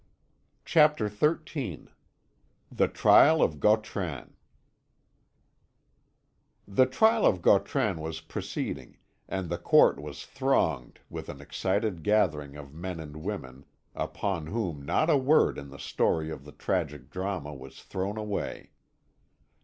CHAPTER XIII THE TRIAL OF GAUTRAN The trial of Gautran was proceeding, and the court was thronged with an excited gathering of men and women, upon whom not a word in the story of the tragic drama was thrown away.